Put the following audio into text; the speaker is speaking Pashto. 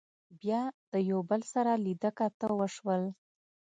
بيا د يو بل سره لیدۀ کاتۀ وشول